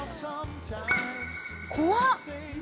怖っ！